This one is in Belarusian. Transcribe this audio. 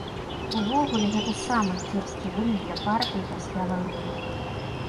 Увогуле, гэта самы кепскі вынік для партыі пасля вайны.